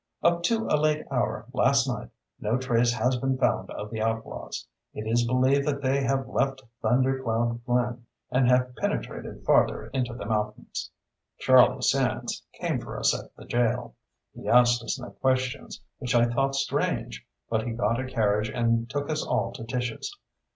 Up to a late hour last night no trace had been found of the outlaws. It is believed that they have left Thunder Cloud Glen and have penetrated farther into the mountains. Charlie Sands came for us at the jail. He asked us no questions, which I thought strange, but he got a carriage and took us all to Tish's.